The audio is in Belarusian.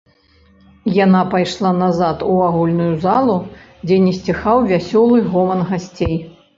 Яна пайшла назад у агульную залу, дзе не сціхаў вясёлы гоман гасцей.